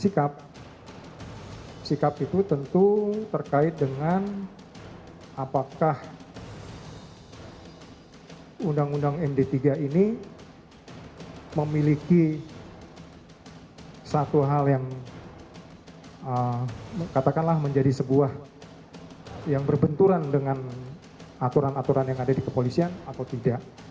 dan sikap itu tentu terkait dengan apakah undang undang md tiga ini memiliki satu hal yang katakanlah menjadi sebuah yang berbenturan dengan aturan aturan yang ada di kepolisian atau tidak